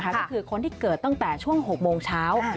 ก็คือคนที่เกิดตั้งแต่ช่วง๖โมงเช้า